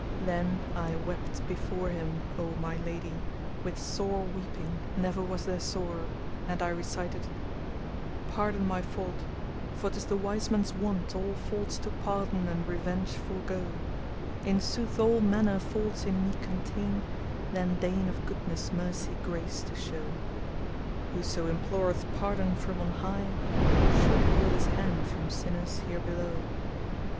[FN#224] Then I wept before him, O my lady, with sore weeping, never was there sorer, and I recited:— "Pardon my fault, for 'tis the wise man's wont * All faults to pardon and revenge forgo: In sooth all manner faults in me contain * Then deign of goodness mercy grace to show: Whoso imploreth pardon from on High * Should hold his hand from sinners here below."